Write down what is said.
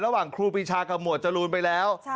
ระหว่างครูปีชากับหมวดจรูนไปแล้ว